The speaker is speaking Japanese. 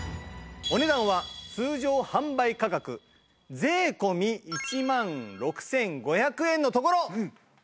お値段は通常販売価格税込１万６５００円のところ。